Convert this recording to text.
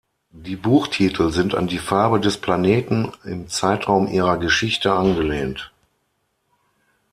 Die Buchtitel sind an die Farbe des Planeten im Zeitraum ihrer Geschichte angelehnt.